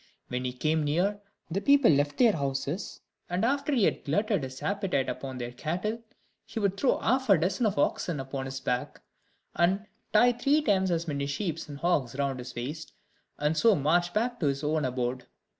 When he came near, the people left their houses; and, after he had glutted his appetite upon their cattle, he would throw half a dozen oxen upon his back, and tie three times as many sheep and hogs round his waist, and so march back to his own abode.